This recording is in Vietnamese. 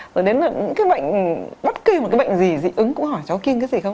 rồi đến là những cái bệnh bất kỳ một cái bệnh gì dị ứng cũng hỏi cháu kinh cái gì không